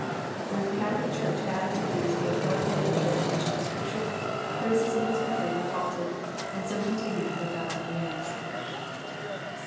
When the Catholic church added to these the authoritative interpretation of Scripture, criticism was completely halted, and so continued for a thousand years.